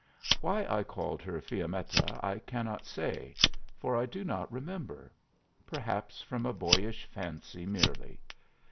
Why I called her Fiammetta I cannot say, for I do not remember; perhaps from a boyish fancy, merely.